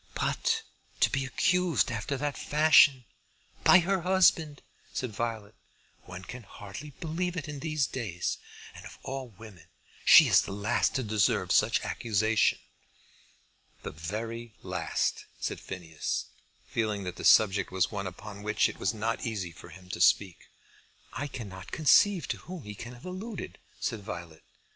"But to be accused after that fashion, by her husband!" said Violet. "One can hardly believe it in these days. And of all women she is the last to deserve such accusation." "The very last," said Phineas, feeling that the subject was one upon which it was not easy for him to speak. "I cannot conceive to whom he can have alluded," said Violet.